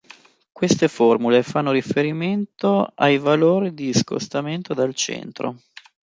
Queste formule fanno riferimento ai valori di scostamento al centro.